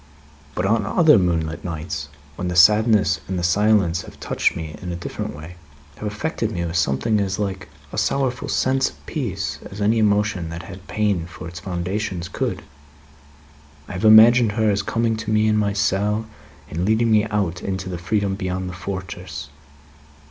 But on other moonlight nights, when the sadness and the silence have touched me in a different way have affected me with something as like a sorrowful sense of peace, as any emotion that had pain for its foundations could I have imagined her as coming to me in my cell, and leading me out into the freedom beyond the fortress.